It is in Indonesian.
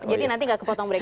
jadi nanti gak kepotong break